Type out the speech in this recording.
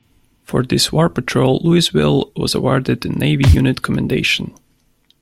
For this war patrol, "Louisville" was awarded the Navy Unit Commendation.